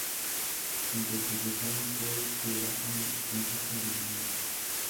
Su interpretación fue que era una "mensaje divino".